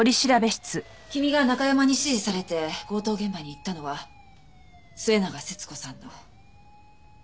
君がナカヤマに指示されて強盗現場に行ったのは末永節子さんの。